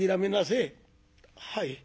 「はい。